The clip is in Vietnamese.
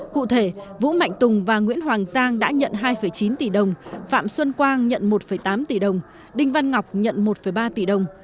cụ thể vũ mạnh tùng và nguyễn hoàng giang đã nhận hai chín tỷ đồng phạm xuân quang nhận một tám tỷ đồng đinh văn ngọc nhận một ba tỷ đồng